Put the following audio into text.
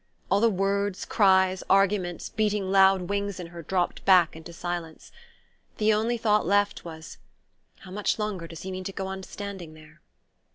All the words, cries, arguments beating loud wings in her dropped back into silence. The only thought left was: "How much longer does he mean to go on standing there?"